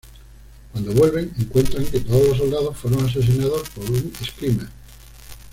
Cuando vuelven, encuentran que todos los soldados fueron asesinados por un Screamer.